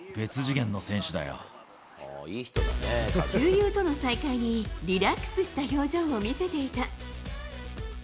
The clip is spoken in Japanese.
旧友との再会に、リラックスした表情を見せていた。